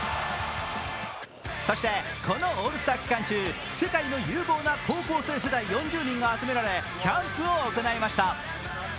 そして、このオールスター期間中、世界の有望な高校生世代４０人が集められキャンプを行いました。